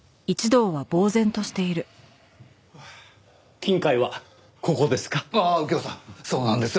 金塊はここですか？